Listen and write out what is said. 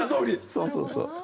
そうそうそう。